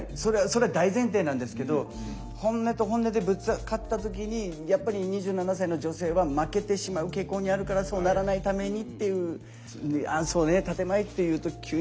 それは大前提なんですけど本音と本音でぶつかった時にやっぱり２７歳の女性は負けてしまう傾向にあるからそうならないためにっていう。